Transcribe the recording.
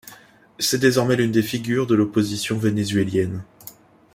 C'est désormais l'une des figures de l'opposition vénézuélienne.